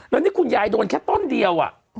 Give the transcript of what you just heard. แล้วนี่คุณยายโดนแค่ต้นเดียว